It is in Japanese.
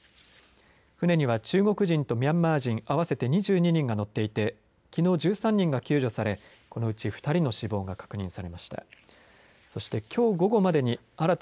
船には中国人とミャンマー人合わせて２２人が乗っていてきのう１３人が救助されこのうち２人の死亡が確認されました。